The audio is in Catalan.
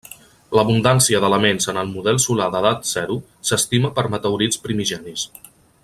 L'abundància d'elements en el model solar d'edat zero s'estima per meteorits primigenis.